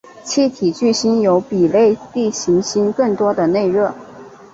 气体巨星有比类地行星更多的内热。